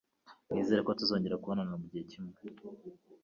Nizere ko tuzongera kubonana mugihe kimwe.